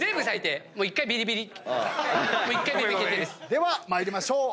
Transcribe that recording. では参りましょう。